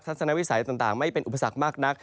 สนวิสัยต่างไม่เป็นอุปสรรคมากนัก